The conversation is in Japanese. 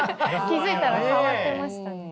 気付いたら変わってましたね。